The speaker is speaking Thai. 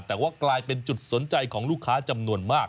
แต่ว่ากลายเป็นจุดสนใจของลูกค้าจำนวนมาก